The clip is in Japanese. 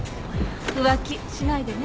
浮気しないでね。